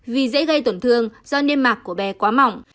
vì dễ gây tổn thương do niêm mạc của bé quá mỏng